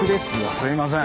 すいません。